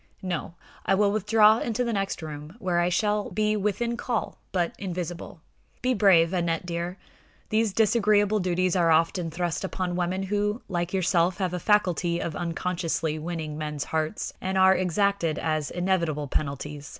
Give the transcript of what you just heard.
No; I will withdraw into the next room, where I shall be within call, but invisible. Be brave, Aneth dear. These disagreeable duties are often thrust upon women who, like yourself, have a faculty of unconsciously winning men's hearts, and are exacted as inevitable penalties.